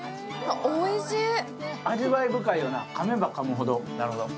味わい深いよな、かめばかむほど。